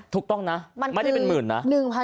ถูกต้องนะไม่ได้เป็นหมื่นนะ